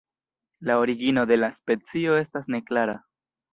La origino de la specio estas neklara.